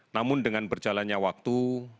namun dengan berjalannya waktu